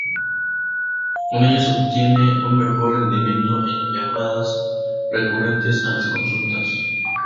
Con ello se obtiene un mejor rendimiento en llamadas recurrentes a las consultas.